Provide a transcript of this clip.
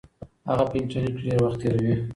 هغه په انټرنیټ کې ډېر وخت تیروي.